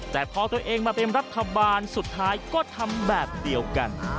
แต่พอตัวเองมาเป็นรัฐบาลสุดท้ายก็ทำแบบเดียวกัน